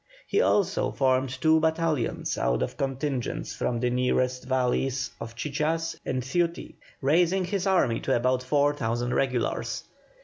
He also formed two battalions out of contingents from the nearer valleys of Chichas and Ciuti, raising his army to about four thousand regulars.